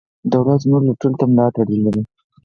دولت زموږ لوټلو ته ملا تړلې ده.